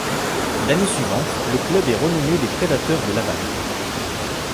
L'année suivante, le club est renommé les Prédateurs de Laval.